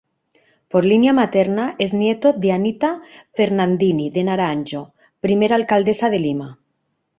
Por línea materna es nieto de Anita Fernandini de Naranjo, primera alcaldesa de Lima.